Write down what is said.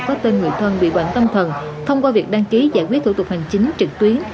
có tên người thân bị quản tâm thần thông qua việc đăng ký giải quyết thủ tục hành chính trực tuyến